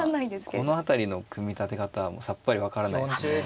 まあこの辺りの組み立て方はさっぱり分からないですね。